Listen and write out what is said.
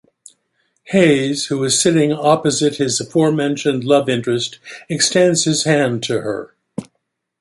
Hayes, who is sitting opposite his aforementioned love interest, extends his hand to her.